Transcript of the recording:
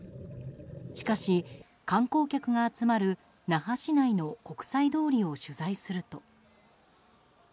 しかし、観光客が集まる那覇市内の国際通りを取材すると。